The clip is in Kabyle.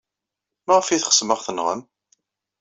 Maɣef ay teɣsem ad aɣ-tenɣem?